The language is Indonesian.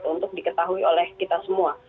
untuk diketahui oleh kita semua